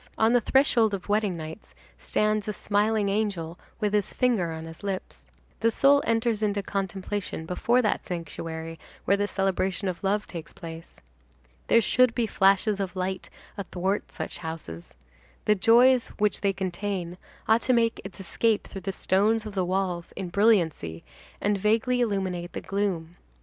On the threshold of wedding nights stands a smiling angel with his finger on his lips. The soul enters into contemplation before that sanctuary where the celebration of love takes place. There should be flashes of light athwart such houses. The joy which they contain ought to make its escape through the stones of the walls in brilliancy, and vaguely illuminate the gloom.